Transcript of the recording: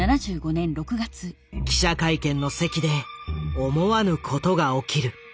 記者会見の席で思わぬことが起きる。